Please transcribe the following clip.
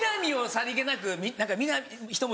さりげなく。